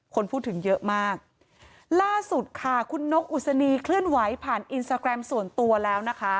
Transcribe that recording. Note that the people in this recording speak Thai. คนพูดถึงเยอะมากล่าสุดค่ะคุณนกอุศนีเคลื่อนไหวผ่านอินสตาแกรมส่วนตัวแล้วนะคะ